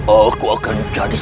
aku akan jadi